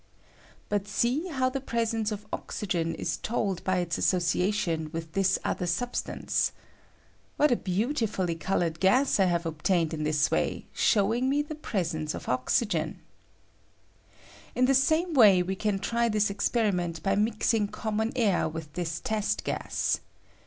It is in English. But see how the presence of oxygen is told by its association with this 3 I i TESTS FOB OXYGEN. 12B I other subatance.(") "WTiat a beautifully colored 3 I have obtained in thia way, allowing me the presence of the oxygen 1 In the same way we can try tbia experiment by mixing common air with this test gaa.